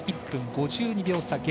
１分５２秒差。